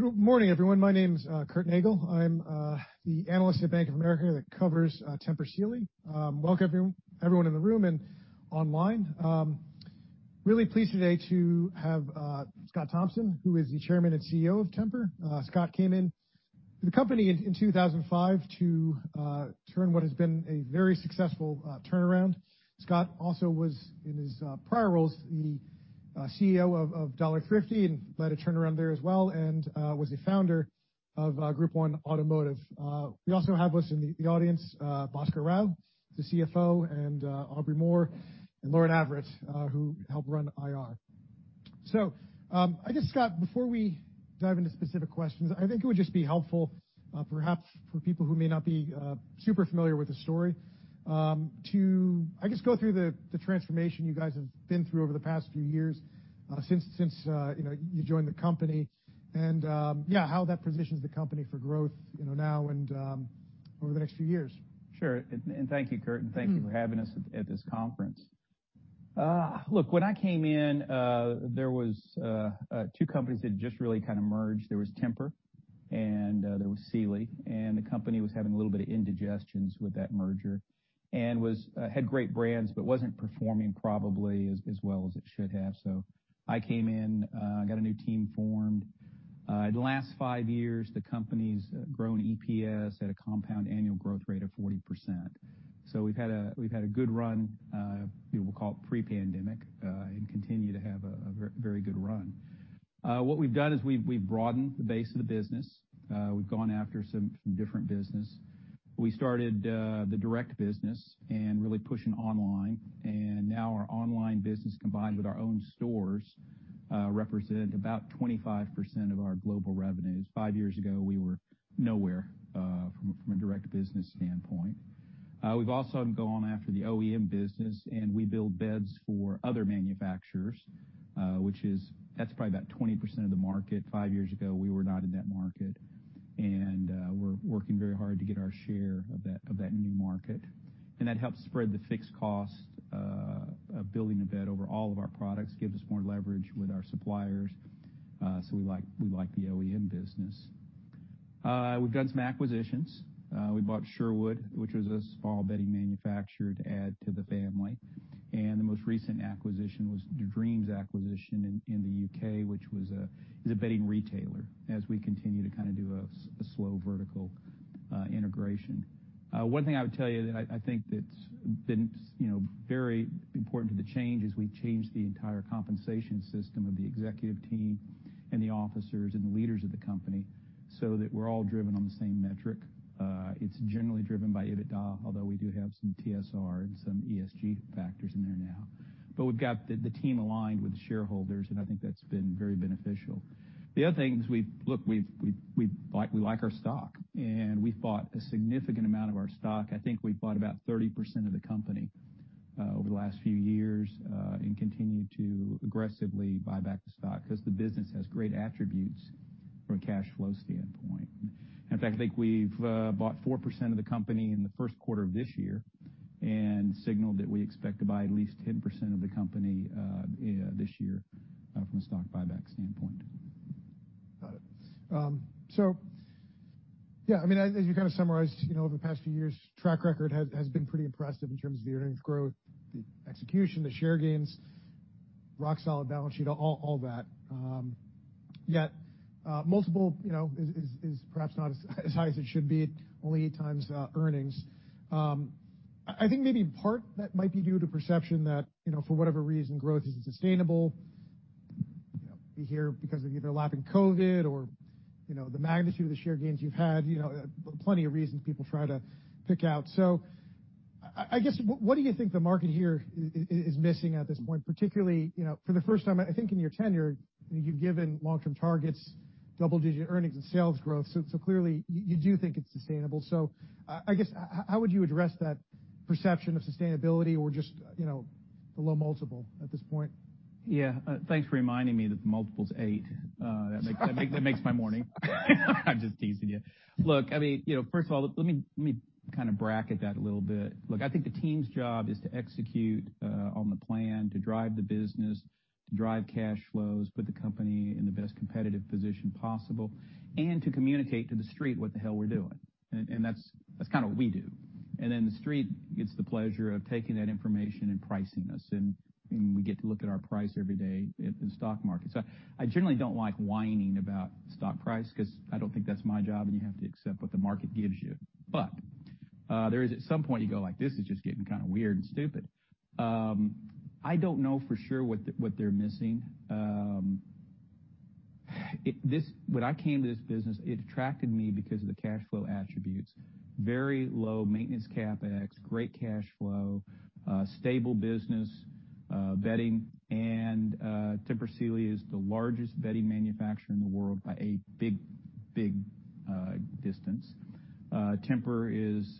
Good morning, everyone. My name's Curtis Nagle. I'm the analyst at Bank of America that covers Tempur Sealy. Welcome everyone in the room and online. Really pleased today to have Scott Thompson, who is the Chairman and CEO of Tempur. Scott came in to the company in 2005 to turn what has been a very successful turnaround. Scott also was, in his prior roles, the CEO of Dollar Thrifty and led a turnaround there as well, and was a founder of Group 1 Automotive. We also have with us in the audience Bhaskar Rao, the CFO, and Aubrey Moore and Lauren Averett, who help run IR. Scott, before we dive into specific questions, I think it would just be helpful, perhaps for people who may not be super familiar with the story, to, I guess, go through the transformation you guys have been through over the past few years, since you know, you joined the company and, yeah, how that positions the company for growth, you know, now and over the next few years. Sure. Thank you, Curtis, and thank you for having us at this conference. Look, when I came in, there were two companies that had just really kinda merged. There was Tempur and Sealy. The company was having a little bit of indigestion with that merger and had great brands, but wasn't performing probably as well as it should have. I came in, got a new team formed. The last 5 years, the company's grown EPS at a compound annual growth rate of 40%. We've had a good run, we'll call it pre-pandemic, and continue to have a very good run. What we've done is we've broadened the base of the business. We've gone after some different business. We started the direct business and really pushing online. Now our online business, combined with our own stores, represent about 25% of our global revenues. Five years ago, we were nowhere from a direct business standpoint. We've also gone after the OEM business, and we build beds for other manufacturers, that's probably about 20% of the market. Five years ago, we were not in that market, and we're working very hard to get our share of that new market. That helps spread the fixed cost of building a bed over all of our products. Gives us more leverage with our suppliers. We like the OEM business. We've done some acquisitions. We bought Sherwood, which was a small bedding manufacturer, to add to the family. The most recent acquisition was the Dreams acquisition in the U.K., which is a bedding retailer, as we continue to kinda do a slow vertical integration. One thing I would tell you that I think that's been, you know, very important to the change is we've changed the entire compensation system of the executive team and the officers and the leaders of the company so that we're all driven on the same metric. It's generally driven by EBITDA, although we do have some TSR and some ESG factors in there now. We've got the team aligned with the shareholders, and I think that's been very beneficial. The other thing is we like our stock, and we've bought a significant amount of our stock. I think we've bought about 30% of the company over the last few years and continue to aggressively buy back the stock, 'cause the business has great attributes from a cash flow standpoint. In fact, I think we've bought 4% of the company in the first quarter of this year and signaled that we expect to buy at least 10% of the company this year from a stock buyback standpoint. Got it. Yeah, I mean, as you kinda summarized, you know, over the past few years, track record has been pretty impressive in terms of the earnings growth, the execution, the share gains, rock solid balance sheet, all that. Yet, multiple, you know, is perhaps not as high as it should be, only 8x earnings. I think maybe in part that might be due to perception that, you know, for whatever reason, growth is sustainable. You know, we hear because of either lapping COVID or, you know, the magnitude of the share gains you've had, you know, plenty of reasons people try to pick out. I guess, what do you think the market here is missing at this point, particularly, you know, for the first time, I think in your tenure, you've given long-term targets, double-digit earnings and sales growth. Clearly you do think it's sustainable. I guess, how would you address that perception of sustainability or just, you know, the low multiple at this point? Yeah. Thanks for reminding me that the multiple's 8. That makes my morning. I'm just teasing you. Look, I mean, you know, first of all, let me kinda bracket that a little bit. Look, I think the team's job is to execute on the plan, to drive the business, to drive cash flows, put the company in the best competitive position possible, and to communicate to the Street what the hell we're doing. That's kinda what we do. The Street gets the pleasure of taking that information and pricing us, and we get to look at our price every day in the stock market. I generally don't like whining about stock price, 'cause I don't think that's my job, and you have to accept what the market gives you. There is at some point you go like, "This is just getting kinda weird and stupid." I don't know for sure what they're missing. When I came to this business, it attracted me because of the cash flow attributes. Very low maintenance CapEx, great cash flow, stable business, bedding, and Tempur Sealy is the largest bedding manufacturer in the world by a big, big distance. Tempur is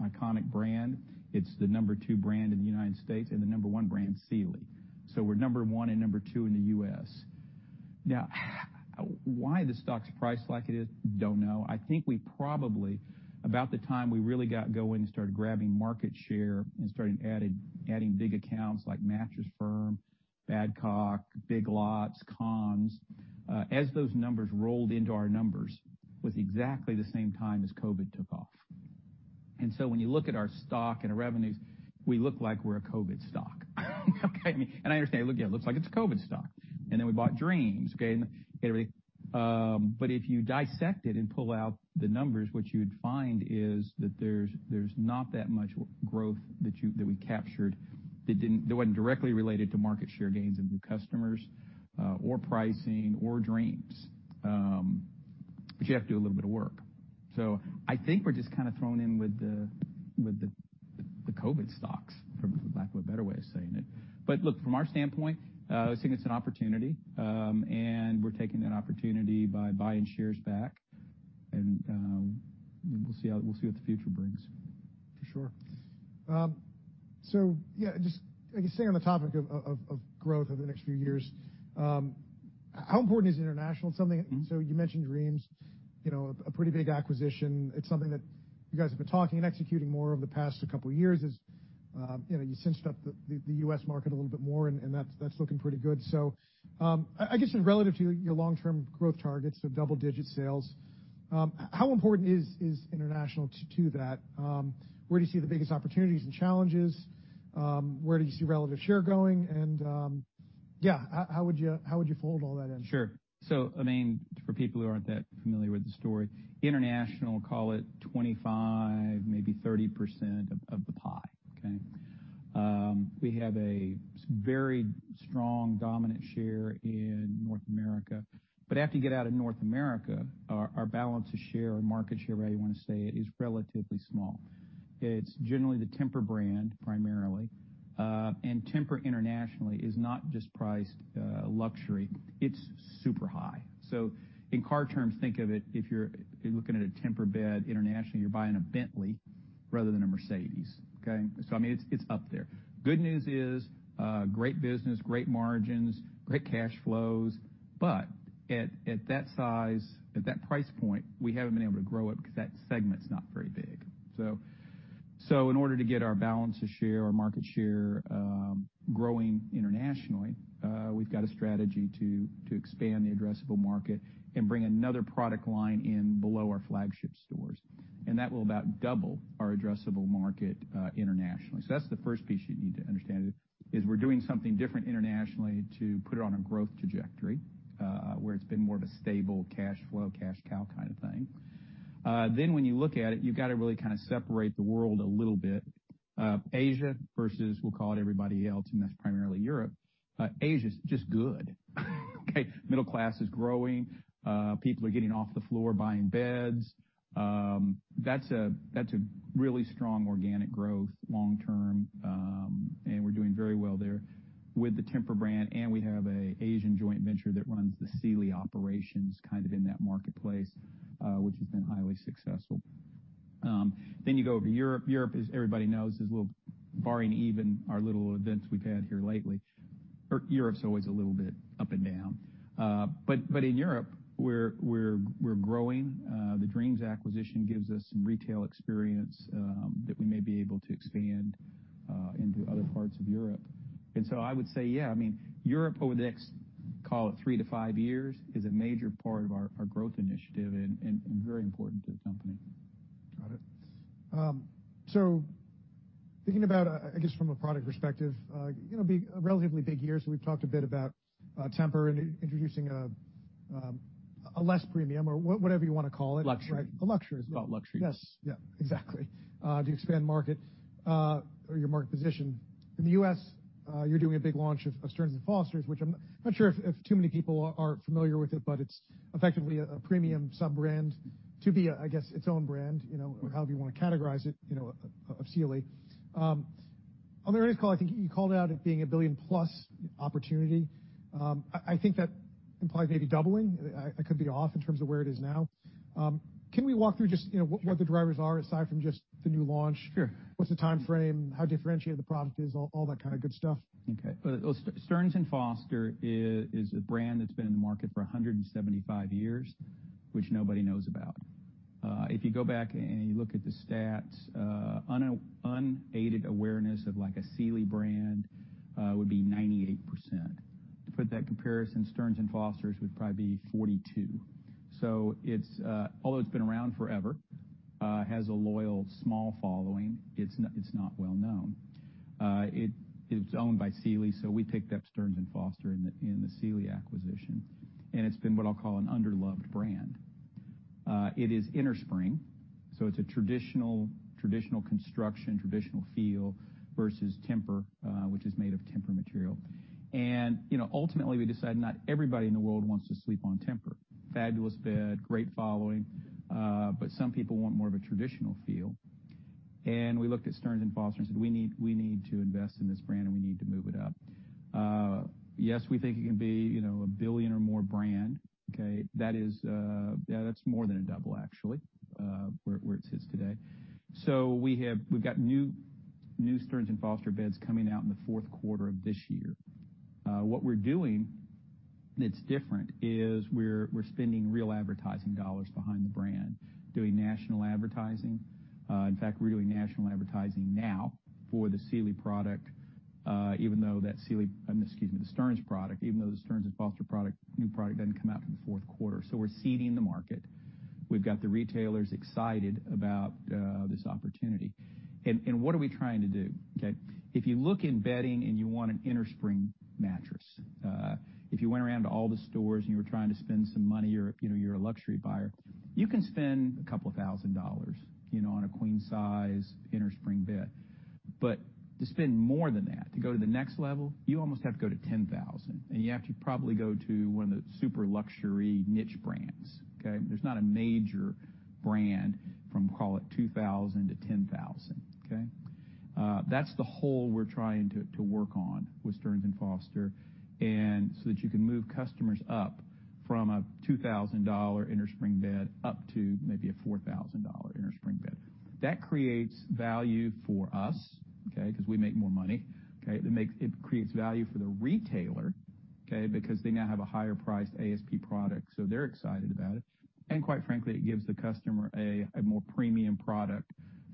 iconic brand. It's the number two brand in the United States and the number one brand Sealy. So we're number one and number two in the US. Now, why the stock's priced like it is, don't know. I think we probably, about the time we really got going and started grabbing market share and started adding big accounts like Mattress Firm, Badcock, Big Lots, Conn's, as those numbers rolled into our numbers, was exactly the same time as COVID took off. When you look at our stock and our revenues, we look like we're a COVID stock. Okay? I understand. Look, yeah, it looks like it's a COVID stock. Then we bought Dreams, okay, and everything. If you dissect it and pull out the numbers, what you'd find is that there's not that much growth that we captured that wasn't directly related to market share gains and new customers, or pricing or Dreams. You have to do a little bit of work. I think we're just kinda thrown in with the COVID stocks, for lack of a better way of saying it. Look, from our standpoint, I think it's an opportunity, and we're taking that opportunity by buying shares back, and we'll see what the future brings. For sure. Yeah, just, I guess, staying on the topic of growth over the next few years, how important is international? Mm-hmm. You mentioned Dreams, you know, a pretty big acquisition. It's something that you guys have been talking and executing more over the past couple years, you know, you cinched up the U.S. market a little bit more and that's looking pretty good. I guess just relative to your long-term growth targets of double-digit sales, how important is international to that? Where do you see the biggest opportunities and challenges? Where do you see relative share going? Yeah, how would you fold all that in? Sure. I mean, for people who aren't that familiar with the story, international, call it 25, maybe 30% of the pie, okay? We have a very strong, dominant share in North America. After you get out of North America, our balance of share or market share, whatever you wanna say it, is relatively small. It's generally the Tempur brand primarily, and Tempur internationally is not just priced luxury, it's super high. In car terms, think of it, if you're looking at a Tempur bed internationally, you're buying a Bentley rather than a Mercedes, okay? I mean, it's up there. Good news is, great business, great margins, great cash flows, but at that size, at that price point, we haven't been able to grow it because that segment's not very big. In order to get our balance of share or market share growing internationally, we've got a strategy to expand the addressable market and bring another product line in below our flagship stores. That will about double our addressable market internationally. That's the first piece you need to understand is we're doing something different internationally to put it on a growth trajectory, where it's been more of a stable cash flow, cash cow kind of thing. When you look at it, you've got to really kind of separate the world a little bit. Asia versus we'll call it everybody else, and that's primarily Europe. Asia's just good. Okay? Middle class is growing. People are getting off the floor buying beds. That's a really strong organic growth long term, and we're doing very well there with the Tempur brand, and we have an Asian joint venture that runs the Sealy operations kind of in that marketplace, which has been highly successful. You go over to Europe. Europe, as everybody knows, is a little, barring even our little events we've had here lately, or Europe's always a little bit up and down. In Europe, we're growing. The Dreams acquisition gives us some retail experience that we may be able to expand into other parts of Europe. I would say, yeah, I mean, Europe over the next, call it 3-5 years, is a major part of our growth initiative and very important to the company. Got it. Thinking about, I guess from a product perspective, you know, be a relatively big year, so we've talked a bit about Tempur and introducing a less premium or whatever you wanna call it. Luxury. A luxury. It's about luxury. Yes. Yeah, exactly. To expand market or your market position. In the U.S., you're doing a big launch of Stearns & Foster, which I'm not sure if too many people are familiar with it, but it's effectively a premium sub-brand to be, I guess, its own brand, you know, or however you wanna categorize it, you know, of Sealy. On the earnings call, I think you called out it being a billion-plus opportunity. I think that implied maybe doubling. I could be off in terms of where it is now. Can we walk through just, you know, what the drivers are aside from just the new launch? Sure. What's the timeframe, how differentiated the product is, all that kind of good stuff? Well, Stearns & Foster is a brand that's been in the market for 175 years, which nobody knows about. If you go back and you look at the stats, unaided awareness of like a Sealy brand would be 98%. To put that in comparison, Stearns & Foster's would probably be 42%. Although it's been around forever, has a loyal small following, it's not well known. It is owned by Sealy, so we picked up Stearns & Foster in the Sealy acquisition, and it's been what I'll call an underloved brand. It is innerspring, so it's a traditional construction, traditional feel versus Tempur, which is made of Tempur material. You know, ultimately, we decided not everybody in the world wants to sleep on Tempur. Fabulous bed, great following, but some people want more of a traditional feel. We looked at Stearns & Foster and said, "We need to invest in this brand and we need to move it up." Yes, we think it can be, you know, a billion or more brand, okay? That is, yeah, that's more than a double actually, where it sits today. We've got new Stearns & Foster beds coming out in the fourth quarter of this year. What we're doing that's different is we're spending real advertising dollars behind the brand, doing national advertising. In fact, we're doing national advertising now for the Sealy product, even though that Sealy, excuse me, the Stearns product, even though the Stearns & Foster product, new product doesn't come out till the fourth quarter. We're seeding the market. We've got the retailers excited about this opportunity. What are we trying to do? Okay. If you look in bedding and you want an innerspring mattress, if you went around to all the stores and you were trying to spend some money or, you know, you're a luxury buyer, you can spend a couple thousand dollars, you know, on a queen size innerspring bed. But to spend more than that, to go to the next level, you almost have to go to $10,000, and you have to probably go to one of the super luxury niche brands, okay? There's not a major brand from, call it $2,000-$10,000, okay? That's the hole we're trying to work on with Stearns & Foster, so that you can move customers up from a $2,000 innerspring bed up to maybe a $4,000 innerspring bed. That creates value for us, okay, because we make more money, okay. It creates value for the retailer, okay, because they now have a higher priced ASP product, so they're excited about it. Quite frankly, it gives the customer a more premium product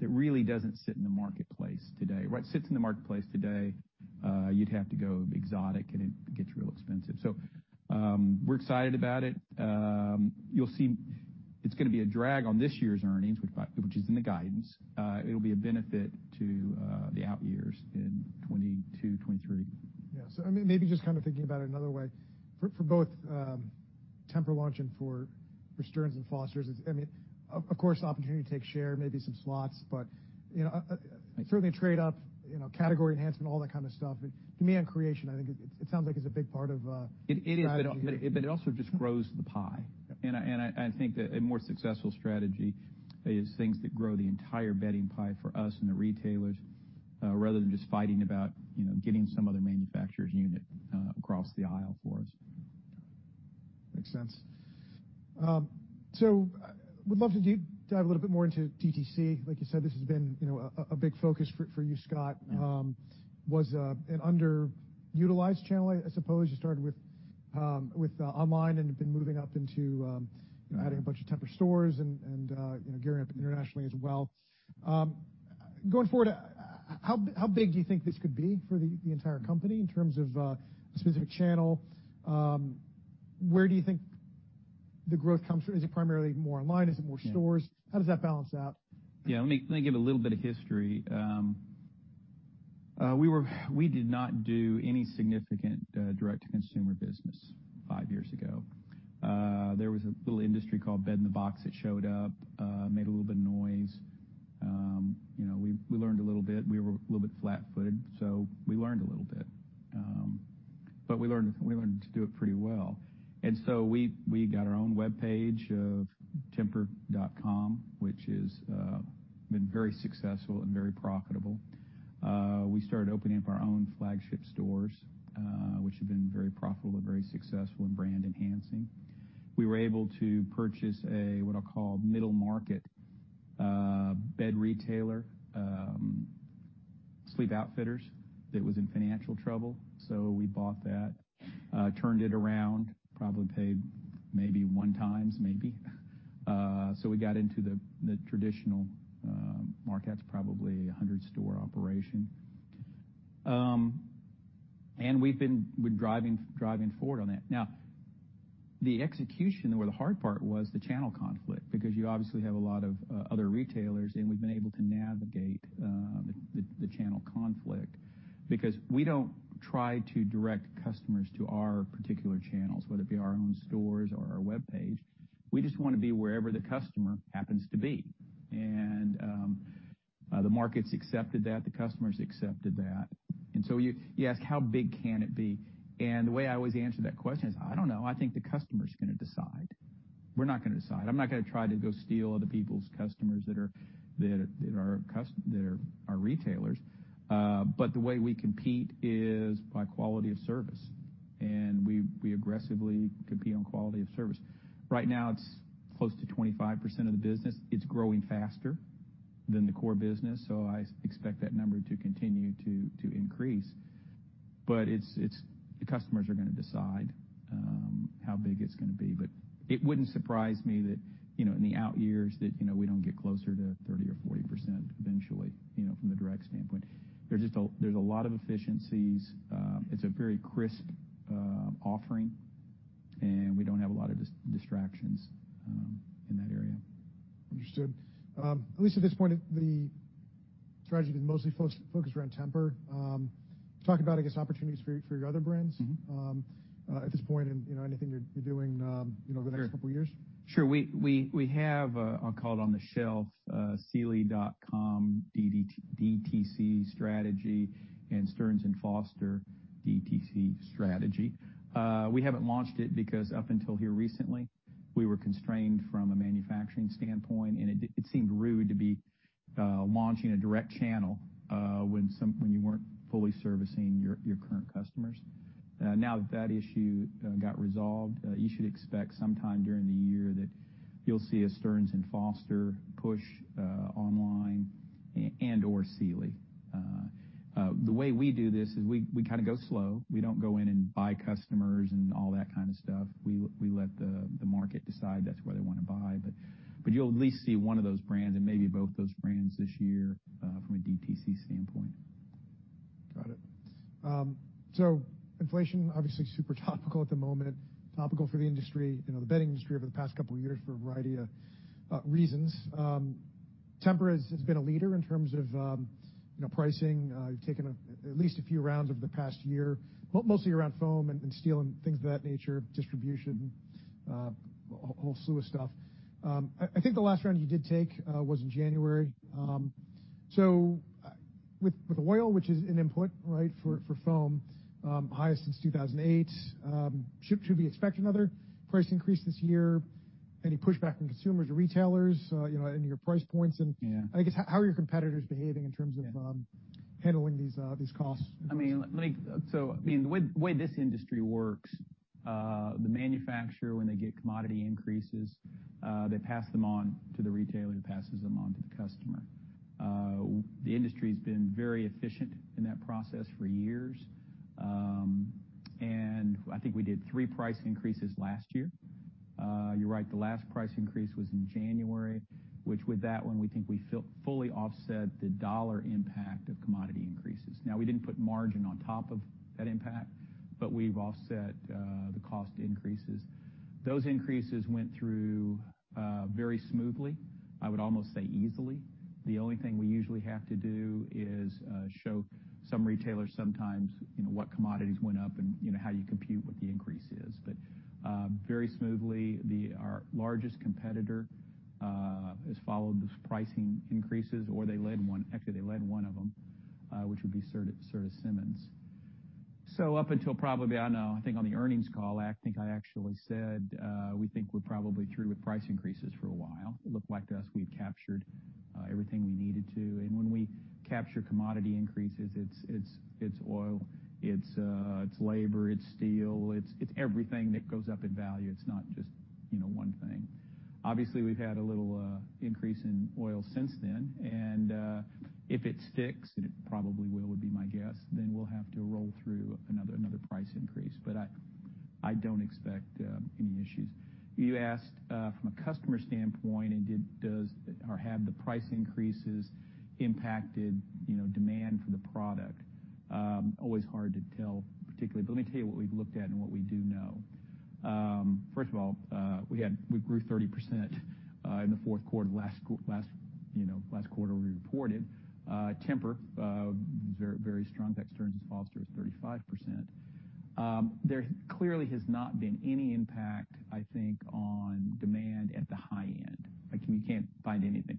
that really doesn't sit in the marketplace today. What sits in the marketplace today, you'd have to go exotic, and it gets real expensive. We're excited about it. You'll see it's gonna be a drag on this year's earnings, which is in the guidance. It'll be a benefit to the out years in 2022, 2023. Yeah. I mean, maybe just kind of thinking about it another way. For both Tempur launch and for Stearns & Foster, I mean, of course, opportunity to take share, maybe some slots. You know, certainly trade up, you know, category enhancement, all that kind of stuff. Demand creation, I think it sounds like it's a big part of the strategy here. It is, but it also just grows the pie. Yeah. I think that a more successful strategy is things that grow the entire bedding pie for us and the retailers, rather than just fighting about, you know, getting some other manufacturer's unit across the aisle for us. Makes sense. Would love to dive a little bit more into DTC. Like you said, this has been, you know, a big focus for you, Scott. Yeah. Was an underutilized channel, I suppose. You started with online and have been moving up into. Yeah. Adding a bunch of Tempur stores and you know, gearing up internationally as well. Going forward, how big do you think this could be for the entire company in terms of a specific channel? Where do you think the growth comes from? Is it primarily more online? Is it more stores? Yeah. How does that balance out? Yeah. Let me give a little bit of history. We did not do any significant direct-to-consumer business five years ago. There was a little industry called Bed in a Box that showed up, made a little bit of noise. You know, we learned a little bit. We were a little bit flat-footed, so we learned a little bit. But we learned to do it pretty well. We got our own webpage of tempur.com, which has been very successful and very profitable. We started opening up our own flagship stores, which have been very profitable and very successful and brand enhancing. We were able to purchase a, what I'll call middle market, bed retailer, Sleep Outfitters, that was in financial trouble. We bought that, turned it around, probably paid maybe 1x, maybe. We got into the traditional market. It's probably a 100-store operation. We're driving forward on that. Now, the execution or the hard part was the channel conflict, because you obviously have a lot of other retailers, and we've been able to navigate the channel conflict because we don't try to direct customers to our particular channels, whether it be our own stores or our webpage. We just wanna be wherever the customer happens to be. The market's accepted that. The customers accepted that. You ask, how big can it be? The way I always answer that question is, I don't know. I think the customer's gonna decide. We're not gonna decide. I'm not gonna try to go steal other people's customers that are our retailers. The way we compete is by quality of service, and we aggressively compete on quality of service. Right now it's close to 25% of the business. It's growing faster than the core business, so I expect that number to continue to increase. It's the customers are gonna decide how big it's gonna be. It wouldn't surprise me that, you know, in the out years that, you know, we don't get closer to 30% or 40% eventually, you know, from the direct standpoint. There's just a lot of efficiencies. It's a very crisp offering, and we don't have a lot of distractions in that area. Understood. At least at this point, the strategy is mostly focused around Tempur. Talk about, I guess, opportunities for your other brands. Mm-hmm. at this point and, you know, anything you're doing, you know, over the next couple years. Sure. We have, I'll call it on the shelf, sealy.com DTC strategy and Stearns & Foster DTC strategy. We haven't launched it because up until here recently, we were constrained from a manufacturing standpoint, and it seemed rude to be launching a direct channel when you weren't fully servicing your current customers. Now that that issue got resolved, you should expect sometime during the year that you'll see a Stearns & Foster push online and/or Sealy. The way we do this is we kind of go slow. We don't go in and buy customers and all that kind of stuff. We let the market decide that's where they wanna buy. You'll at least see one of those brands and maybe both those brands this year, from a DTC standpoint. Got it. Inflation obviously super topical at the moment, topical for the industry, you know, the bedding industry over the past couple of years for a variety of reasons. Tempur has been a leader in terms of, you know, pricing. You've taken at least a few rounds over the past year, mostly around foam and steel and things of that nature, distribution, a whole slew of stuff. I think the last round you did take was in January. With oil, which is an input for foam, highest since 2008, should we expect another price increase this year? Any pushback from consumers or retailers, you know, in your price points? Yeah. I guess, how are your competitors behaving in terms of handling these costs? The way this industry works, the manufacturer, when they get commodity increases, they pass them on to the retailer, who passes them on to the customer. The industry's been very efficient in that process for years. I think we did three price increases last year. You're right, the last price increase was in January, which, with that one, we think we fully offset the dollar impact of commodity increases. Now, we didn't put margin on top of that impact, but we've offset the cost increases. Those increases went through very smoothly, I would almost say easily. The only thing we usually have to do is show some retailers sometimes, you know, what commodities went up and, you know, how you compute what the increase is. Very smoothly our largest competitor has followed those pricing increases, or they led one. Actually, they led one of them, which would be Serta Simmons. Up until probably, I don't know, I think on the earnings call, I think I actually said, we think we're probably through with price increases for a while. It looked like to us we've captured everything we needed to. When we capture commodity increases, it's oil, it's labor, it's steel, it's everything that goes up in value. It's not just, you know, one thing. Obviously, we've had a little increase in oil since then. If it sticks, and it probably will, would be my guess, then we'll have to roll through another price increase. I don't expect any issues. You asked from a customer standpoint and does or have the price increases impacted, you know, demand for the product. Always hard to tell, particularly. Let me tell you what we've looked at and what we do know. First of all, we grew 30% in the fourth quarter, last quarter we reported. Tempur very strong. Stearns & Foster is 35%. There clearly has not been any impact, I think, on demand at the high end. Like, we can't find anything.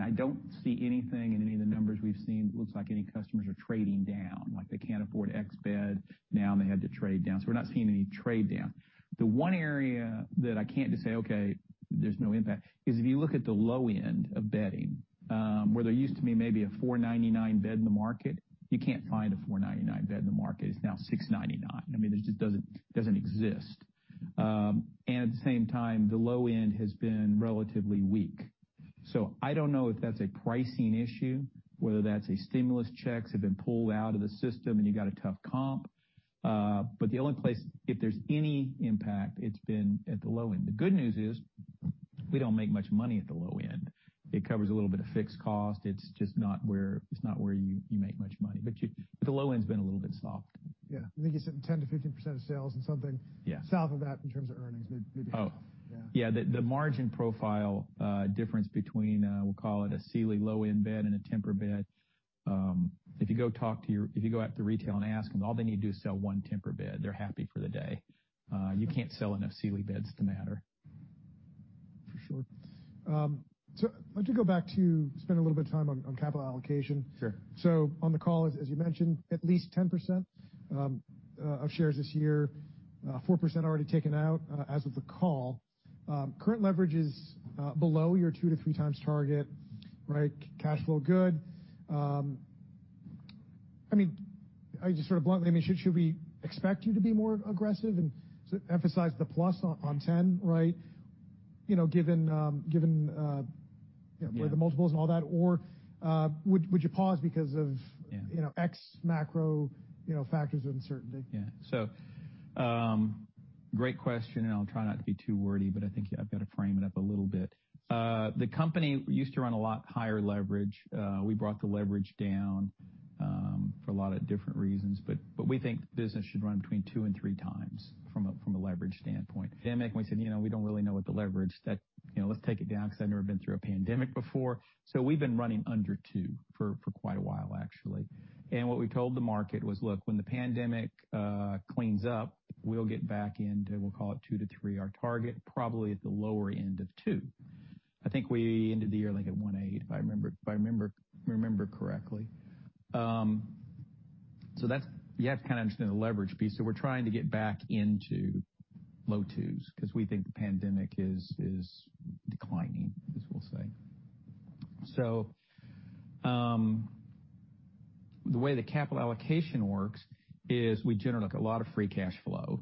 I don't see anything in any of the numbers we've seen. It doesn't look like any customers are trading down, like they can't afford our bed now and they had to trade down. We're not seeing any trade down. The one area that I can't just say, "Okay, there's no impact," is if you look at the low end of bedding, where there used to be maybe a $499 bed in the market, you can't find a $499 bed in the market. It's now $699. I mean, it just doesn't exist. And at the same time, the low end has been relatively weak. So I don't know if that's a pricing issue, whether that's a stimulus checks have been pulled out of the system and you got a tough comp. But the only place, if there's any impact, it's been at the low end. The good news is we don't make much money at the low end. It covers a little bit of fixed cost. It's just not where you make much money. The low end's been a little bit soft. Yeah. I think you said 10%-15% of sales and something- Yeah. South of that in terms of earnings, maybe. Oh. Yeah. Yeah. The margin profile difference between, we'll call it a Sealy low-end bed and a Tempur bed, if you go out to retail and ask them, all they need to do is sell one Tempur bed. They're happy for the day. You can't sell enough Sealy beds to matter. For sure. I want to go back to spend a little bit of time on capital allocation. Sure. On the call, as you mentioned, at least 10% of shares this year, 4% already taken out as of the call. Current leverage is below your 2-3 times target, right? Cash flow good. I mean, I just sort of bluntly, I mean, should we expect you to be more aggressive and emphasize the plus on ten, right? You know, given you know. Yeah. -where the multiples and all that? Or, would you pause because of- Yeah. you know, ex macro, you know, factors of uncertainty? Yeah. Great question, and I'll try not to be too wordy, but I think I've got to frame it up a little bit. The company used to run a lot higher leverage. We brought the leverage down for a lot of different reasons, but we think the business should run between 2 and 3 times from a leverage standpoint. The pandemic, we said, you know, we don't really know what the leverage, you know, let's take it down because I've never been through a pandemic before. We've been running under 2 for quite a while, actually. What we told the market was, "Look, when the pandemic cleans up, we'll get back into, we'll call it 2-3, our target probably at the lower end of 2." I think we ended the year, like, at 1.8, if I remember correctly. That's you have to kinda understand the leverage piece. We're trying to get back into low 2s because we think the pandemic is declining, as we'll say. The way the capital allocation works is we generate, like, a lot of free cash flow,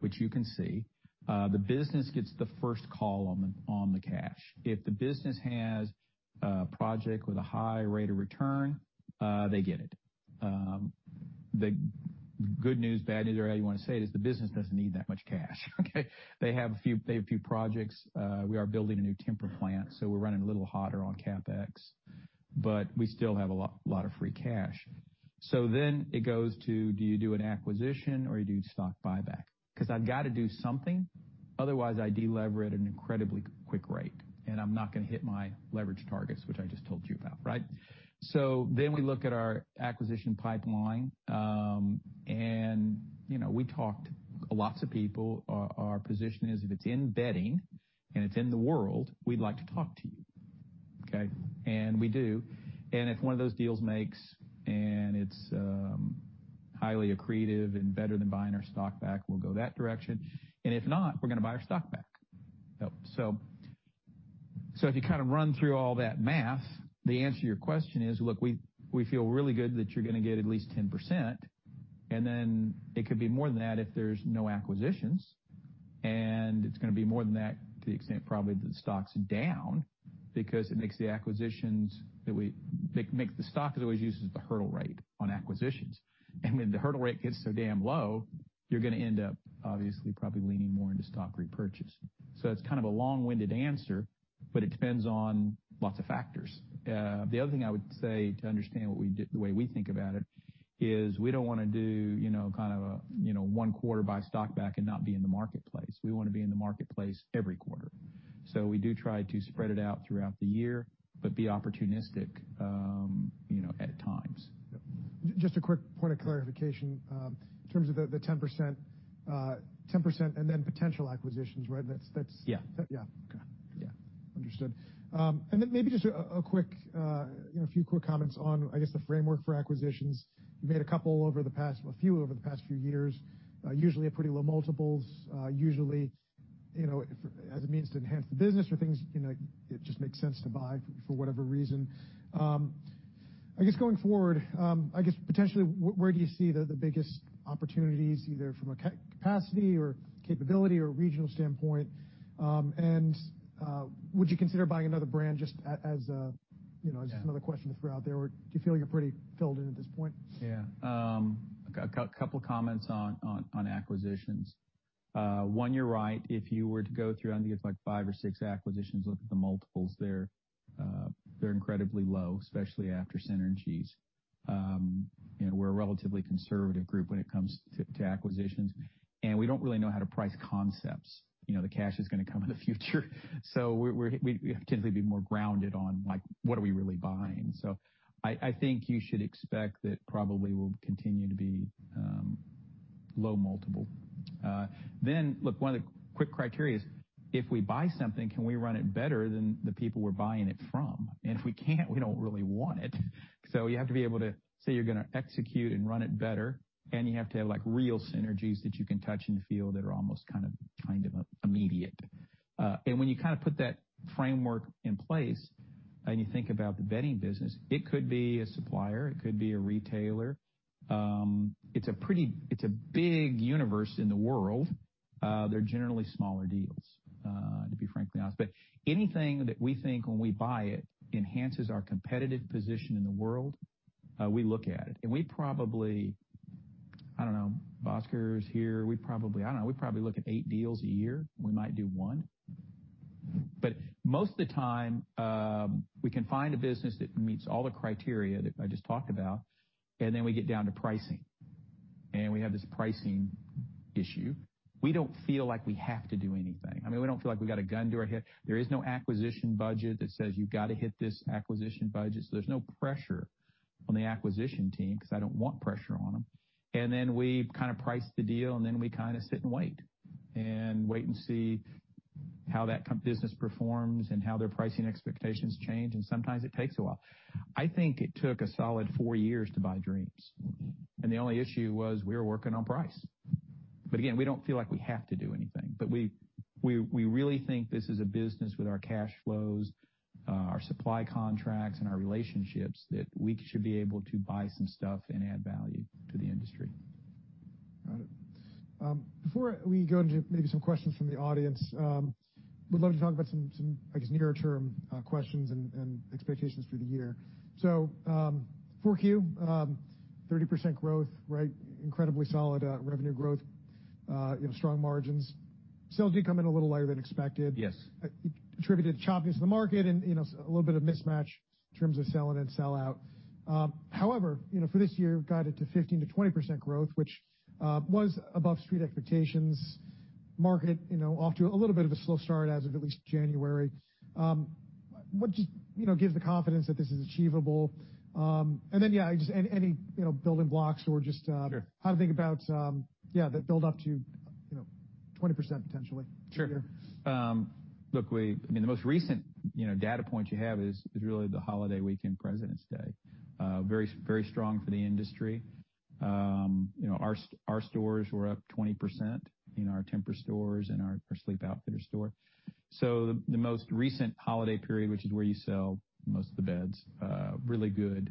which you can see. The business gets the first call on the cash. If the business has a project with a high rate of return, they get it. The good news, bad news, or however you wanna say it, is the business doesn't need that much cash. Okay. They have a few projects. We are building a new Tempur plant, so we're running a little hotter on CapEx, but we still have a lot of free cash. It goes to, do you do an acquisition or you do stock buyback? 'Cause I've gotta do something, otherwise I de-lever at an incredibly quick rate, and I'm not gonna hit my leverage targets, which I just told you about, right? We look at our acquisition pipeline. You know, we talked to lots of people. Our position is if it's in bedding and it's in the world, we'd like to talk to you, okay? We do. If one of those deals makes sense and it's highly accretive and better than buying our stock back, we'll go that direction. If not, we're gonna buy our stock back. So if you kinda run through all that math, the answer to your question is, look, we feel really good that you're gonna get at least 10%, And then it could be more than that if there's no acquisitions, and it's gonna be more than that to the extent probably the stock's down because it makes the stock always uses the hurdle rate on acquisitions. When the hurdle rate gets so damn low, you're gonna end up obviously probably leaning more into stock repurchase. It's kind of a long-winded answer, but it depends on lots of factors. The other thing I would say to understand what we did, the way we think about it is we don't wanna do, you know, kind of a, you know, one quarter buy stock back and not be in the marketplace. We wanna be in the marketplace every quarter. We do try to spread it out throughout the year, but be opportunistic, you know, at times. Just a quick point of clarification. In terms of the 10% and then potential acquisitions, right? Yeah. Yeah. Okay. Yeah. Understood. Maybe just a quick, you know, a few quick comments on, I guess, the framework for acquisitions. You've made a few over the past few years, usually at pretty low multiples, usually, you know, as a means to enhance the business or things, you know, it just makes sense to buy for whatever reason. I guess going forward, I guess potentially where do you see the biggest opportunities, either from a capacity or capability or regional standpoint? Would you consider buying another brand just as a, you know, just another question to throw out there, or do you feel you're pretty filled in at this point? Yeah. A couple of comments on acquisitions. One, you're right. If you were to go through, I think it's like five or six acquisitions, look at the multiples there, they're incredibly low, especially after synergies. You know, we're a relatively conservative group when it comes to acquisitions, and we don't really know how to price concepts. You know, the cash is gonna come in the future. We have to typically be more grounded on, like, what are we really buying. I think you should expect that probably will continue to be low multiple. Look, one of the quick criteria is if we buy something, can we run it better than the people we're buying it from? If we can't, we don't really want it. You have to be able to say you're gonna execute and run it better, and you have to have, like, real synergies that you can touch and feel that are almost kind of immediate. When you kinda put that framework in place and you think about the bedding business, it could be a supplier, it could be a retailer. It's a big universe in the world. They're generally smaller deals, to be frankly honest. Anything that we think when we buy it enhances our competitive position in the world, we look at it. We probably, I don't know, Oscar is here, we look at eight deals a year. We might do one. Most of the time, we can find a business that meets all the criteria that I just talked about, and then we get down to pricing, and we have this pricing issue. We don't feel like we have to do anything. I mean, we don't feel like we got a gun to our head. There is no acquisition budget that says you've got to hit this acquisition budget. There's no pressure on the acquisition team because I don't want pressure on them. Then we kinda price the deal, and then we kinda sit and wait, and wait and see how that business performs and how their pricing expectations change, and sometimes it takes a while. I think it took a solid four years to buy Dreams. Mm-hmm. The only issue was we were working on price. We don't feel like we have to do anything. We really think this is a business with our cash flows, our supply contracts, and our relationships that we should be able to buy some stuff and add value to the industry. Got it. Before we go into maybe some questions from the audience, would love to talk about some, I guess, near-term questions and expectations for the year. Q4 30% growth, right, incredibly solid revenue growth, you know, strong margins. Sales did come in a little lower than expected. Yes. Attributed choppiness in the market and, you know, a little bit of mismatch in terms of sell in and sell out. However, you know, for this year, guided to 15%-20% growth, which was above street expectations. Market, you know, off to a little bit of a slow start as of at least January. What just, you know, gives the confidence that this is achievable? Then yeah, just any, you know, building blocks or just Sure. How to think about that build up to, you know, 20% potentially. Sure. Look, I mean, the most recent, you know, data point you have is really the holiday week and Presidents' Day. Very strong for the industry. You know, our stores were up 20% in our Tempur stores and our Sleep Outfitters store. The most recent holiday period, which is where you sell most of the beds, really good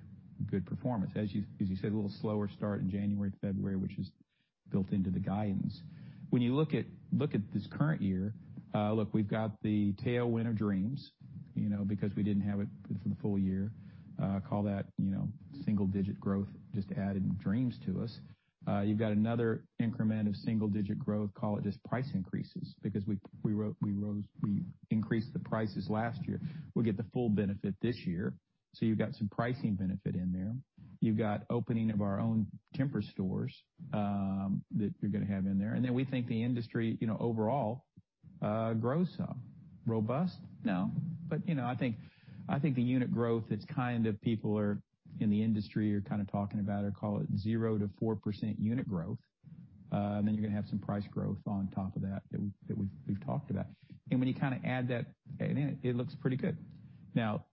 performance. As you said, a little slower start in January to February, which is built into the guidance. When you look at this current year, we've got the tailwind of Dreams, you know, because we didn't have it for the full year. Call that, you know, single digit growth, just adding Dreams to us. You've got another increment of single digit growth. Call it just price increases because we increased the prices last year. We'll get the full benefit this year. You've got some pricing benefit in there. You've got opening of our own Tempur stores that you're gonna have in there. Then we think the industry, you know, overall, grows some. Robust? No. You know, I think the unit growth is kind of in the industry are kinda talking about or call it 0%-4% unit growth. Then you're gonna have some price growth on top of that that we've talked about. When you kinda add that in, it looks pretty good. Now,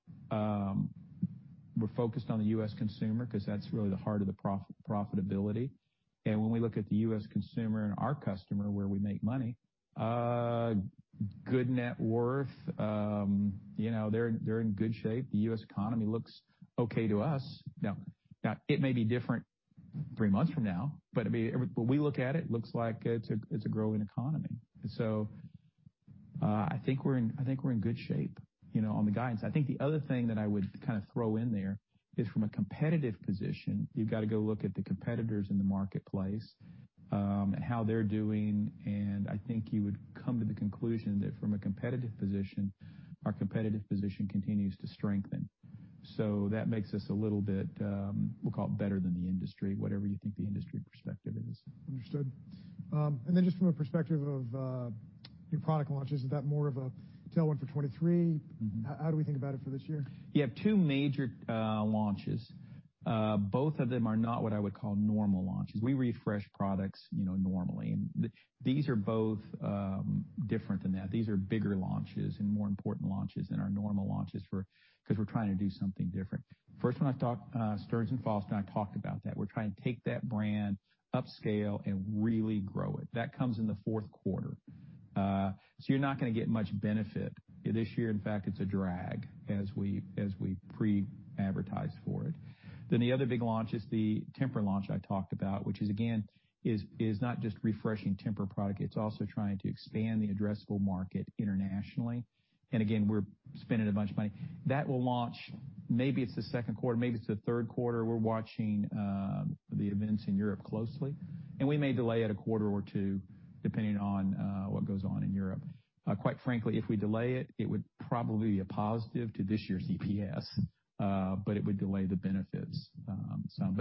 we're focused on the U.S. consumer because that's really the heart of the profitability. When we look at the U.S. consumer and our customer, where we make money, good net worth, you know, they're in good shape. The U.S. economy looks okay to us. Now, it may be different three months from now, but I mean, when we look at it looks like it's a growing economy. I think we're in good shape, you know, on the guidance. I think the other thing that I would kinda throw in there is from a competitive position, you've got to go look at the competitors in the marketplace, how they're doing, and I think you would come to the conclusion that from a competitive position, our competitive position continues to strengthen. That makes us a little bit, we'll call it better than the industry, whatever you think the industry perspective is. Understood. Just from a perspective of new product launches, is that more of a tailwind for 2023? Mm-hmm. How do we think about it for this year? You have two major launches. Both of them are not what I would call normal launches. We refresh products, you know, normally. These are both different than that. These are bigger launches and more important launches than our normal launches because we're trying to do something different. First one I talked, Stearns & Foster, and I talked about that. We're trying to take that brand upscale and really grow it. That comes in the fourth quarter. You're not gonna get much benefit this year. In fact, it's a drag as we pre-advertise for it. The other big launch is the Tempur launch I talked about, which, again, is not just refreshing Tempur product, it's also trying to expand the addressable market internationally. Again, we're spending a bunch of money. That will launch, maybe it's the second quarter, maybe it's the third quarter. We're watching the events in Europe closely, and we may delay it a quarter or two, depending on what goes on in Europe. Quite frankly, if we delay it would probably be a positive to this year's EPS, but it would delay the benefits some.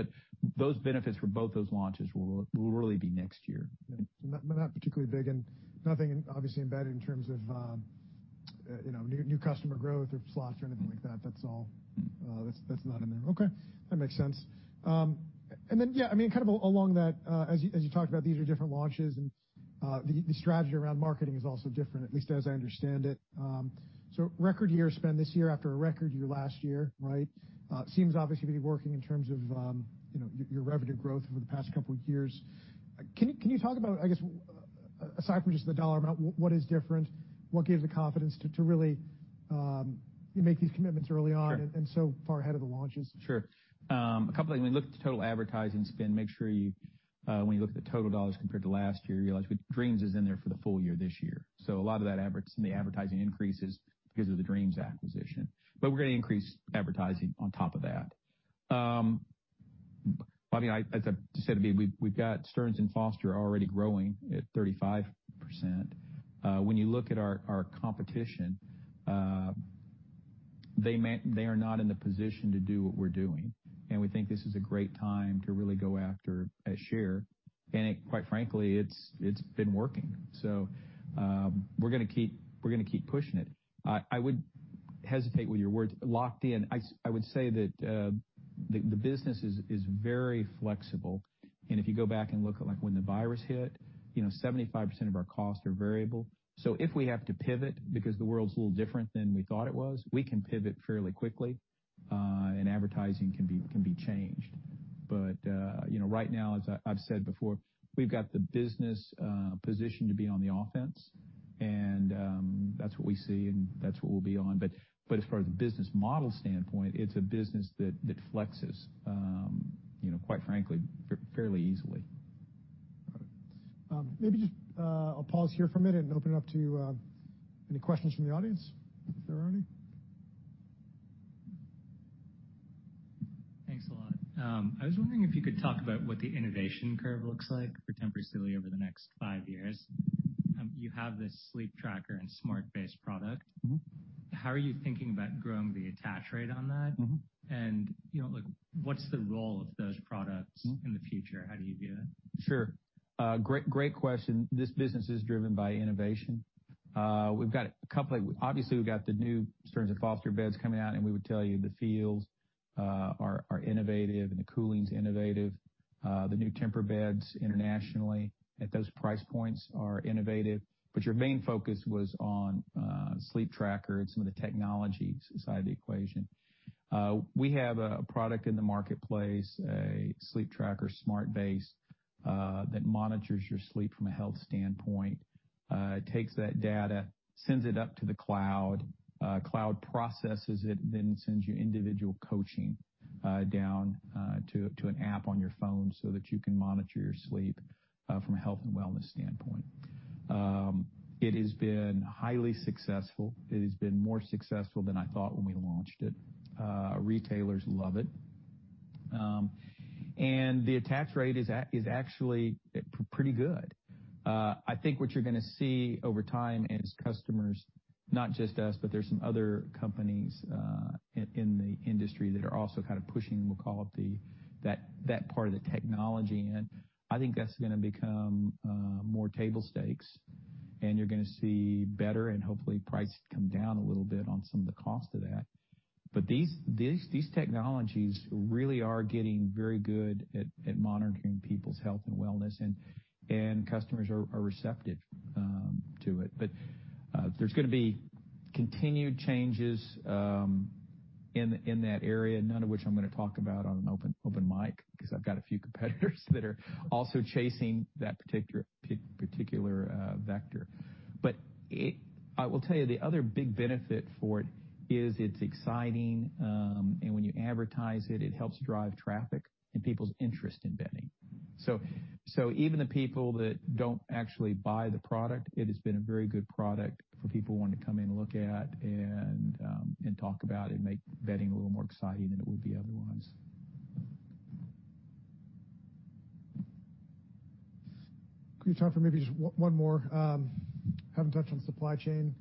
Those benefits for both those launches will really be next year. not particularly big and nothing obviously embedded in terms of, you know, new customer growth or slots or anything like that. That's all. Mm. That's not in there. Okay. That makes sense. Then, yeah, I mean, kind of along that, as you talked about, these are different launches and the strategy around marketing is also different, at least as I understand it. Record year spend this year after a record year last year, right? It seems obviously to be working in terms of, you know, your revenue growth over the past couple of years. Can you talk about, I guess, aside from just the dollar amount, what is different? What gives the confidence to really make these commitments early on? Sure. far ahead of the launches? Sure. A couple of things. When you look at the total advertising spend, make sure you, when you look at the total dollars compared to last year, you realize Dreams is in there for the full year this year. A lot of that the advertising increase is because of the Dreams acquisition. We're gonna increase advertising on top of that. I mean, as I said, we've got Stearns & Foster already growing at 35%. When you look at our competition, they are not in the position to do what we're doing. We think this is a great time to really go after a share. Quite frankly, it's been working. We're gonna keep pushing it. I would hesitate with your words, locked in. I would say that the business is very flexible. If you go back and look at, like, when the virus hit, you know, 75% of our costs are variable. If we have to pivot because the world's a little different than we thought it was, we can pivot fairly quickly, and advertising can be changed. You know, right now, as I've said before, we've got the business positioned to be on the offense. That's what we see, and that's what we'll be on. As far as the business model standpoint, it's a business that flexes, you know, quite frankly, fairly easily. Maybe just, I'll pause here for a minute and open it up to any questions from the audience, if there are any. Thanks a lot. I was wondering if you could talk about what the innovation curve looks like for Tempur Sealy over the next five years. You have this sleep tracker and smart base product. Mm-hmm. How are you thinking about growing the attach rate on that? Mm-hmm. You know, like, what's the role of those products? Mm-hmm. in the future? How do you view it? Sure. Great question. This business is driven by innovation. We've got a couple of—obviously, we've got the new Stearns & Foster beds coming out, and we would tell you the feels are innovative and the cooling's innovative. The new Tempur beds internationally at those price points are innovative. Your main focus was on sleep tracker and some of the technology side of the equation. We have a product in the marketplace, a sleep tracker, smart based, that monitors your sleep from a health standpoint, takes that data, sends it up to the cloud processes it, then sends you individual coaching down to an app on your phone so that you can monitor your sleep from a health and wellness standpoint. It has been highly successful. It has been more successful than I thought when we launched it. Retailers love it. The attach rate is actually pretty good. I think what you're gonna see over time is customers, not just us, but there's some other companies in the industry that are also kind of pushing what we call that part of the technology, and I think that's gonna become more table stakes and you're gonna see better and hopefully price come down a little bit on some of the cost of that. These technologies really are getting very good at monitoring people's health and wellness, and customers are receptive to it. There's gonna be continued changes in that area, none of which I'm gonna talk about on an open mic because I've got a few competitors that are also chasing that particular vector. I will tell you the other big benefit for it is it's exciting, and when you advertise it helps drive traffic and people's interest in bedding. Even the people that don't actually buy the product, it has been a very good product for people who want to come in and look at and talk about it and make bedding a little more exciting than it would be otherwise. Do we have time for maybe just one more? We haven't touched on supply chain.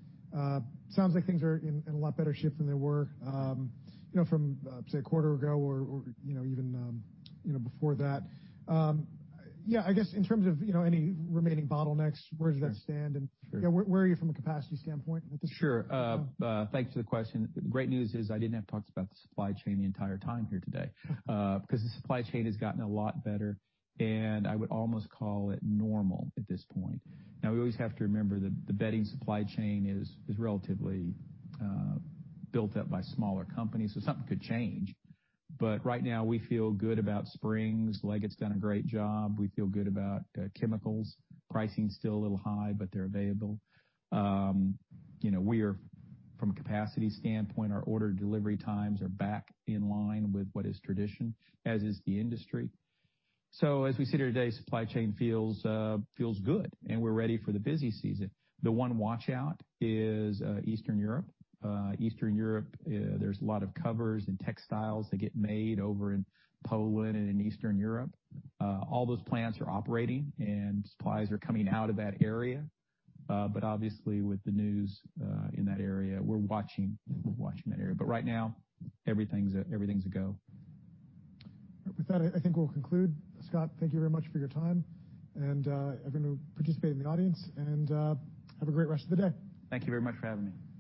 Sounds like things are in a lot better shape than they were, you know, from, say, a quarter ago or you know, even you know, before that. I guess in terms of you know, any remaining bottlenecks, where does that stand? Sure. Where are you from a capacity standpoint at this point? Sure. Thanks for the question. The great news is I didn't have to talk about the supply chain the entire time here today, because the supply chain has gotten a lot better, and I would almost call it normal at this point. Now, we always have to remember that the bedding supply chain is relatively built up by smaller companies, so something could change. But right now, we feel good about springs. Leggett & Platt's done a great job. We feel good about chemicals. Pricing is still a little high, but they're available. You know, we are from a capacity standpoint, our order delivery times are back in line with what is tradition, as is the industry. So as we sit here today, supply chain feels good, and we're ready for the busy season. The one watch out is Eastern Europe. Eastern Europe, there's a lot of covers and textiles that get made over in Poland and in Eastern Europe. All those plants are operating and supplies are coming out of that area. Obviously, with the news in that area, we're watching that area. Right now, everything's a go. With that, I think we'll conclude. Scott, thank you very much for your time and everyone who participated in the audience and have a great rest of the day. Thank you very much for having me.